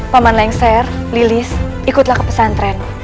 paman lengser lilis ikutlah ke pesantren